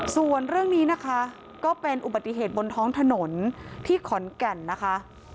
ส่วนเรื่องนี้นะคะก็เป็นอุบัติเหตุบนท้องถนนที่ขอนแก่นนะคะ